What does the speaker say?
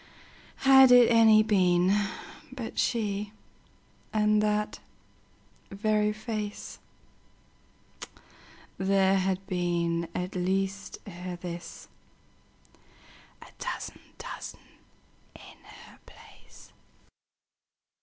Had it any been but she, And that very face, There had been at least ere thisA dozen dozen in her place.